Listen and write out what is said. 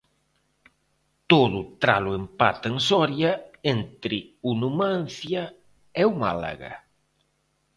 Todo tralo empate en Soria entre o Numancia e o Málaga.